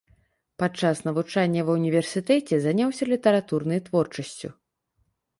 Падчас навучання ва ўніверсітэце заняўся літаратурнай творчасцю.